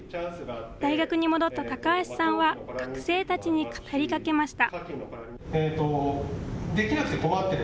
大学に戻った高橋さんは学生たちに語りかけました。